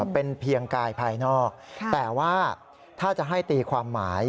เป็นเพียงกายภายนอกแต่ว่าถ้าจะให้ตีความหมาย